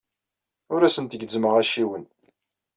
Ur asent-gezzmeɣ acciwen.